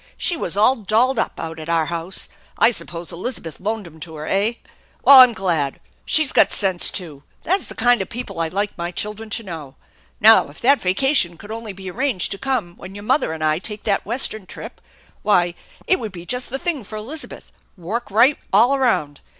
She was all dolled up out at oui house. I suppose Elizabeth loaned 'em to her, eh? Well, I'm glad. She's got sense, too. That's the kind of people I like my children to know. Now if that vacation could only be arranged to come when your mother and I take that Western trip, why, it would be just the thing for Elizabeth, work right all around.